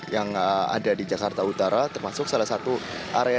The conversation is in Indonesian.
yang ada di jakarta utara termasuk salah satu area